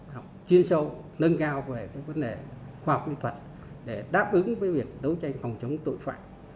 học chuyên sâu nâng cao về vấn đề khoa học kỹ thuật để đáp ứng với việc đấu tranh phòng chống tội phạm